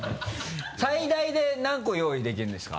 最大で何個用意できるんですか？